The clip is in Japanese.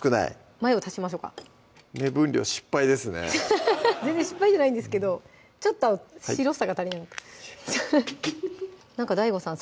マヨを足しましょうか目分量失敗ですね全然失敗じゃないんですけどちょっと白さが足りなかった何かＤＡＩＧＯさん